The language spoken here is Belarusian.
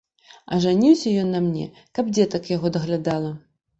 А жаніўся ён на мне, каб дзетак яго даглядала.